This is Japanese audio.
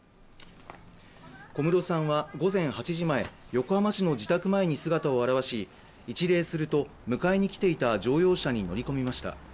小室さんは午前８時前横浜市の自宅前に姿を現し一礼すると、迎えに来ていた乗用車に乗り込みました。